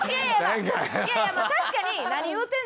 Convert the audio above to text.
いやいやまあ確かに。